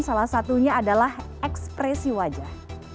salah satunya adalah ekspresi wajah